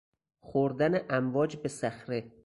خوردن امواج به صخره